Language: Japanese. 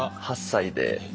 ８歳で。